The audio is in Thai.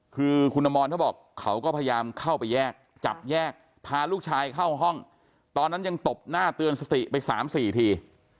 คือคุณอมรเขาบอกเขาก็พยายามเข้าไปแยกจับแยกพาลูกชายเข้าห้องตอนนั้นยังตบหน้าเตือนสติไป๓๔ที